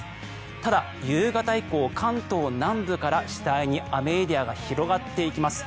ただ、夕方以降、関東南部から次第に雨エリアが広がっていきます。